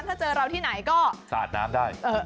ถ้าเจอเราที่ไหนก็สาดน้ำได้